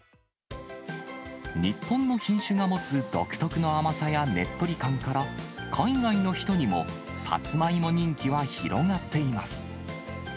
日本の品種が持つ独特の甘さやねっとり感から、海外の人にもサツマイモ人気は広がっています。